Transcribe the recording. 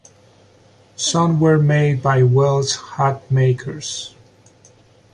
Some were made by Welsh hat makers.